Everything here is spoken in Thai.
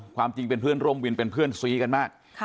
ความจริงเป็นเพื่อนร่วมวินเป็นเพื่อนซีกันมาก